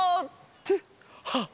ってあっ！